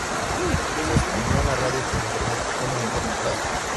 Se estrenó en la radio por internet Women Rock Radio.